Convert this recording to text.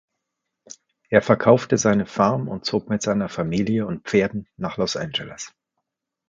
Er verkaufte seine Farm und zog mit seiner Familie und Pferden nach Los Angeles.